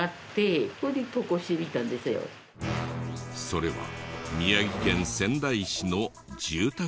それは宮城県仙台市の住宅街に。